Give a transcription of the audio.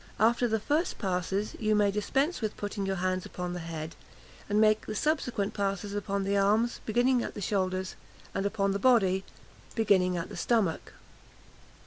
After the first passes, you may dispense with putting your hands upon the head, and may make the subsequent passes upon the arms, beginning at the shoulders, and upon the body, beginning at the stomach."